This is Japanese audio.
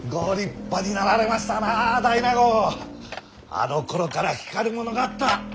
あのころから光るものがあった！